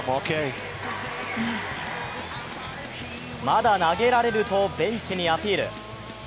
まだ投げられるとベンチにアピール。